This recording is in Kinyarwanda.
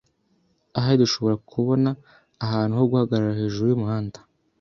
Ahari dushobora kubona ahantu ho guhagarara hejuru yumuhanda.